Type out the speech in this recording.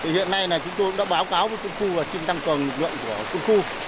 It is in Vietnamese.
hôm nay chúng tôi đã báo cáo với quân khu và xin tăng cường lực lượng của quân khu